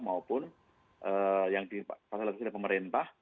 maupun yang difasilitasi oleh pemerintah